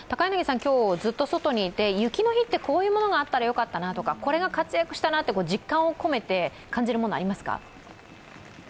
今日ずっと外にいて、雪の日って、こういうものがあったらよかったなとか、これが活躍したなと実感をこめて感じるもの、ありますか？